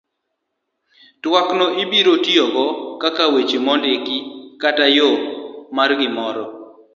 twak no ibiro tiyogo kaka weche mondiki kata yo moro mar gimoro